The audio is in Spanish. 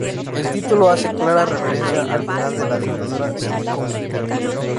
El título hace clara referencia al final de la dictadura cívico-militar.